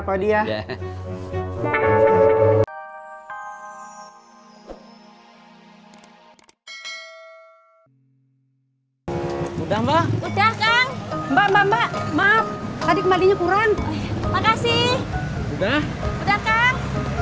udah udah mbak udah kang mbak maaf tadi kembalinya kurang makasih udah udah kan